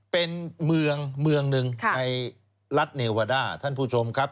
เป็นเมืองเมืองหนึ่งในรัฐเนวาด้าท่านผู้ชมครับ